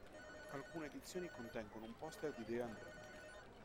Alcune edizioni contengono un poster di De André.